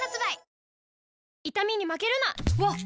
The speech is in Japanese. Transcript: わっ！